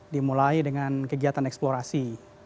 dimulai dengan kegiatan eksplorasi